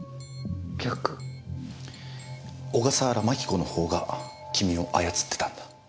小笠原槙子のほうが君を操ってたんだ。